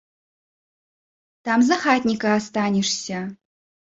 Там за хатніка астанешся.